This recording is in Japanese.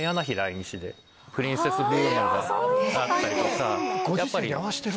プリンセスブームがあったりとか。